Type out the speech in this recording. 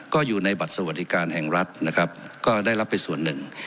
ก็อยู่ในบัตรสวัสดิการแห่งรัฐนะครับก็ได้รับไปส่วนหนึ่ง